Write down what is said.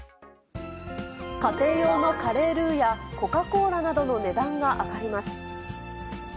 家庭用のカレールウや、コカ・コーラなどの値段が上がります。